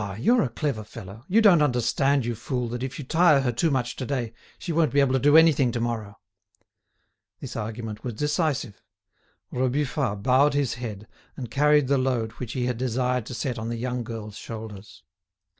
you're a clever fellow! You don't understand, you fool, that if you tire her too much to day, she won't be able to do anything to morrow!" This argument was decisive. Rebufat bowed his head, and carried the load which he had desired to set on the young girl's shoulders.